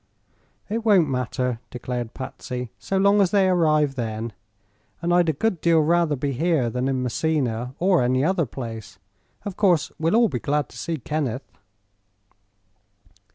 "It won't matter," declared Patsy, "so long as they arrive then. And I'd a good deal rather be here than in Messina, or any other place. Of course we'll all be glad to see Kenneth."